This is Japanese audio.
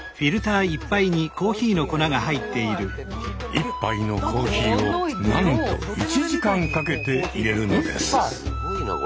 １杯のコーヒーをなんと１時間かけていれるのです。